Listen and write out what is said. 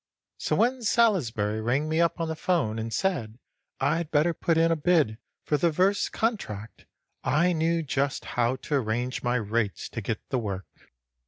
So when Salisbury rang me up on the 'phone and said I'd better put in a bid for the verse contract, I knew just how to arrange my rates to get the work."